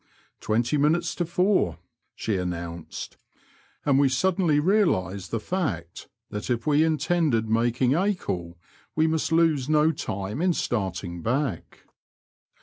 Twenty minates to four," she announced; and we suddenly realised the fact that if we intended making Acle we must lose no time in starting back.